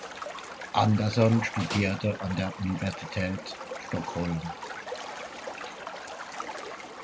Andersson studierte an der Universität Stockholm.